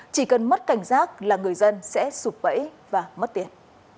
chỉ cần mất cảnh giác là người dân sẽ sụp bẫy và mất tiền